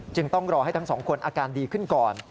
ต้องรอให้ทั้งสองคนอาการดีขึ้นก่อน